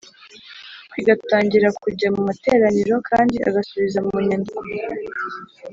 kwiga atangira kujya mu materaniro kandi agasubiza munyandiko